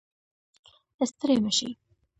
ستړی مشې